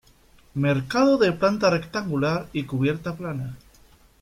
Mercado de planta rectangular y cubierta plana.